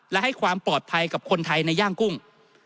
และให้ความปลอดภัยกับคนไทยในย่างกุ้ง